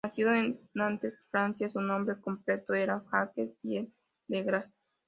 Nacido en Nantes, Francia, su nombre completo era Jacques Jean Le Gras.